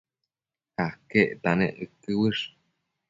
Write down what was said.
aquecta nec uëquë uësh?